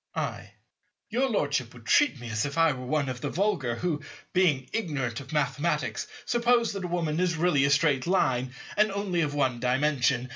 I. Your Lordship would treat me as if I were one of the vulgar who, being ignorant of Mathematics, suppose that a Woman is really a Straight Line, and only of One Dimension.